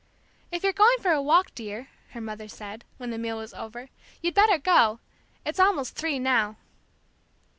"If you're going for a walk, dear," her mother said, when the meal was over, "you'd better go. It's almost three now."